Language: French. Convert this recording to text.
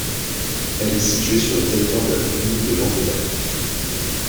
Elle est située sur le territoire de la commune de Landéda.